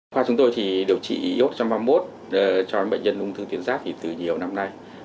khoa chúng tôi thì điều trị iot một trăm ba mươi một cho bệnh nhân ung thư tiến sát từ nhiều năm nay